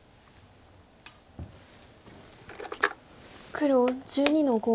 黒１２の五。